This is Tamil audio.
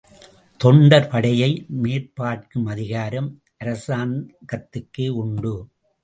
தொண்டர் படையை மேற்பார்க்கும் அதிகாரம் அச்சங்கத்துக்கே உண்டு.